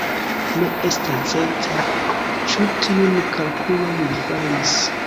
Ne estas certe, ĉu tiun kalkulon li faris.